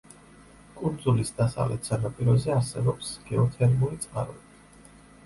კუნძულის დასავლეთ სანაპიროზე არსებობს გეოთერმული წყაროები.